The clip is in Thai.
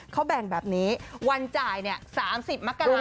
เขาแบ่งแบบนี้วันจ่าย๓๐มกราศ